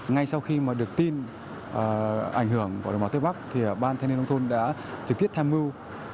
ngay sau khi mà được tin ảnh hưởng của đồng bào tây bắc thì ban thanh niên nông thôn đã trực tiếp tham mưu